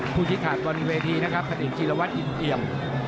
ผู้ชิดขาดตอนเวทีนะครับพระเด็กจิลวัฒน์อินเตียม